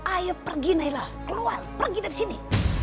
ayo pergi naila keluar pergi dari sini